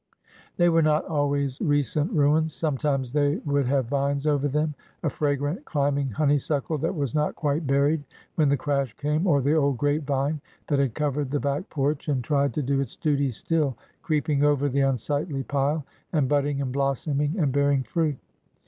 They were not always recent ruins. Sometimes they would have vines over them— a fragrant climbing honey suckle that was not quite buried when the crash came, or the old grape vine that had covered the back porch and tried to do its duty still, creeping over the unsightly pile, and budding and blossoming and bearing fruit.